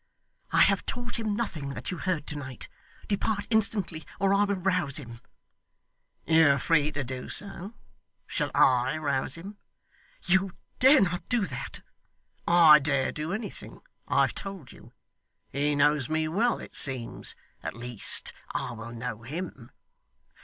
'I have taught him nothing that you heard to night. Depart instantly, or I will rouse him.' 'You are free to do so. Shall I rouse him?' 'You dare not do that.' 'I dare do anything, I have told you. He knows me well, it seems. At least I will know him.